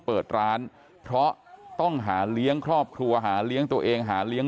เปิดร้านเพราะต้องหาเลี้ยงครอบครัวหาเลี้ยงตัวเองหาเลี้ยง